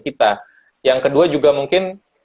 kita yang kedua juga mungkin